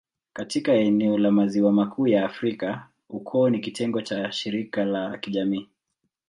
Katika eneo la Maziwa Makuu ya Afrika, ukoo ni kitengo cha shirika la kijamii.